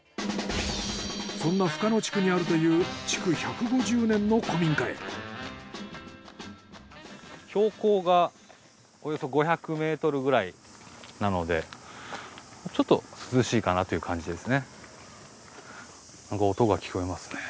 そんな深野地区にあるという標高がおよそ５００ｍくらいなのでちょっと涼しいかなという感じですね。